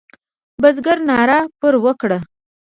بزګر ناره پر وکړه.